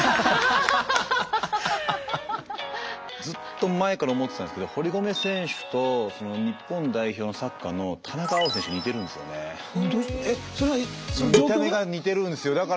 ずっと前から思ってたんですけど堀米選手と日本代表のサッカーの田中碧選手似てるんですよね。